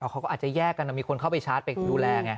เขาก็อาจจะแยกกันมีคนเข้าไปชาร์จไปดูแลไง